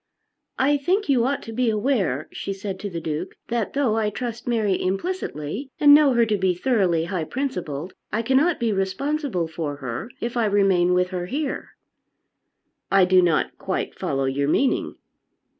"I think you ought to be aware," she said to the Duke, "that though I trust Mary implicitly and know her to be thoroughly high principled, I cannot be responsible for her, if I remain with her here." "I do not quite follow your meaning."